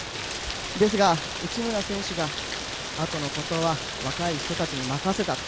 ですが、内村選手があとのことは若い人たちに任せたと。